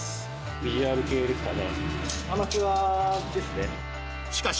ビジュアル系ですかね。